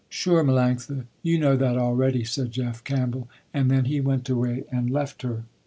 "Sure Melanctha, you know that already," said Jeff Campbell, and then he went away and left her.